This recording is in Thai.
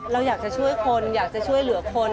เราอยากจะช่วยคนอยากจะช่วยเหลือคน